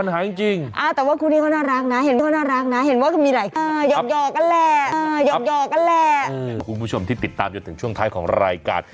คุณผู้ชมที่ติดตามจนถึงช่วงท้ายของรายการ